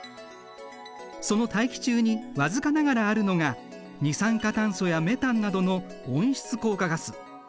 その大気中に僅かながらあるのが二酸化炭素やメタンなどの温室効果ガス。